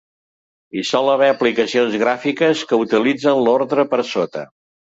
Hi sol haver aplicacions gràfiques que utilitzen l'ordre per sota.